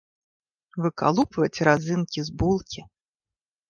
Выкалупваць разынкі з булкі.